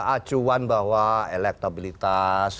acuan bahwa elektabilitas